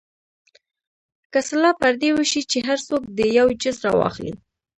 که سلا پر دې وشي چې هر څوک دې یو جز راواخلي.